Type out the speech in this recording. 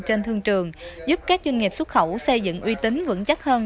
trên thương trường giúp các doanh nghiệp xuất khẩu xây dựng uy tín vững chắc hơn